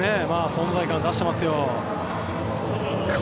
存在感を出してますよ。